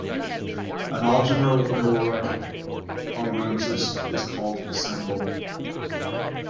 An algebra with no other congruences is called "simple".